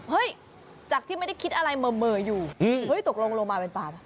เฮ้ยจากที่ไม่ได้คิดอะไรเมออยู่เฮ้ยตกลงลงมาเป็นเปล่า